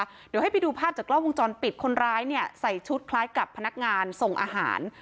เดี๋ยวให้ไปดูภาพจากกล้องวงจรปิดคนร้ายเนี่ยใส่ชุดคล้ายกับพนักงานส่งอาหาร